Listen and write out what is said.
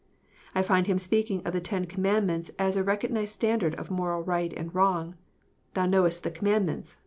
I find Him speaking of the Ten Commandments as a recognized standard of moral right and wrong : "Thou knowest the Commandments."